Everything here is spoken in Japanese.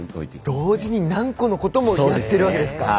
同時に何個のこともやっているわけですか。